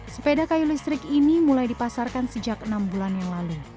sepeda kayu listrik ini mulai dipasarkan sejak enam bulan yang lalu